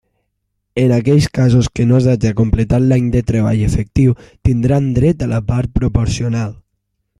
En aquells casos que no s'haja completat l'any de treball efectiu, tindran dret a la part proporcional.